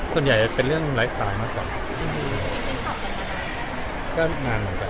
ทำไมเรามันเป็นเรื่องของว่าทุกคนตัวเป็นเรื่องของในเรื่องเวลา